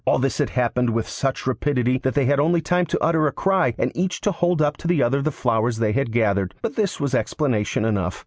All this had happened with such rapidity that they had only time to utter a cry, and each to hold up to the other the flowers they had gathered; but this was explanation enough.